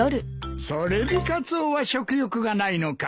それでカツオは食欲がないのか。